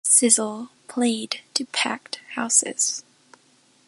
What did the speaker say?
"Sizzle" played to packed houses.